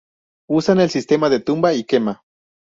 Usan el sistema de tumba y quema.